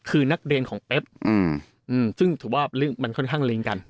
คือนักเรียนของเอฟซึ่งถือว่ามันค่อนข้างลิงกัน